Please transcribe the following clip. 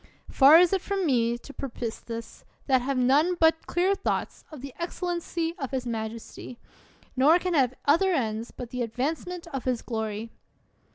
Far is it Irom me to purpose this, that have none but clear thoughts of the excellency of his majesty, nor can have other ends but the advancement of his glory.